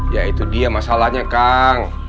ya itu dia masalahnya kang